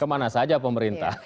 kemana saja pemerintah